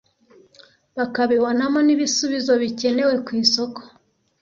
bakabibonamo n’ibisubizo bikenewe ku isoko